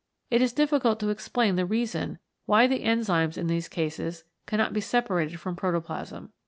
It is difficult to explain the reason why the enzymes in these cases cannot be separated from protoplasm.